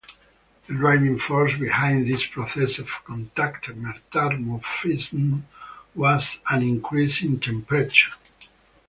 The driving force behind this process of contact metamorphism was an increase in temperature.